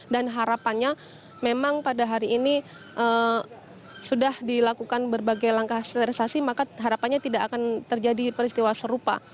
dan harapannya memang pada hari ini sudah dilakukan berbagai langkah sterilisasi maka harapannya tidak akan terjadi peristiwa serupa